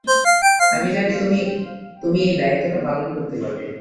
আমি জানি তুমি, তুমি এই দায়িত্বটা পালন করতে পারবে।